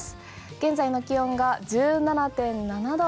現在の気温が１７．７度。